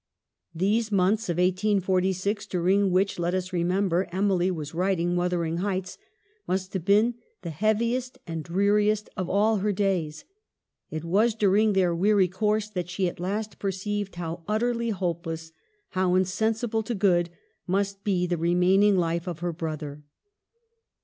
These months of 1846 during which, let us remember, Emily was writing ' Wuthering Heights,' must have been the heav iest and dreariest of her days ; it was during their weary course that she at last perceived how utterly hopeless, how insensible to good, must be the remaining life of her brother.